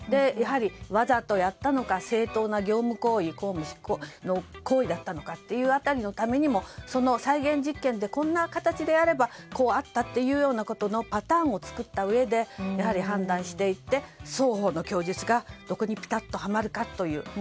やはり、わざとやったのか正当な業務行為公務執行行為だったのかという辺りのためにもその再現実験でこんな形であればこうあったというパターンを作ったうえでやはり判断していって双方の供述がどこにピタッとはまるかという。